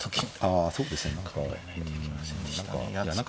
あそうですか。